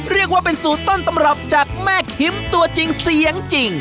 เรียกว่าเป็นสูตรต้นตำรับจากแม่คิมตัวจริงเสียงจริง